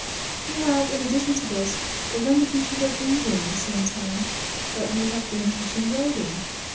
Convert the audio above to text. We have, in addition to this, begun the teaching of reading at the same time that we have been teaching writing.